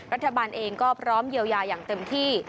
รัฐบาลเองก็พร้อมเยียวยาอย่างเต็มที่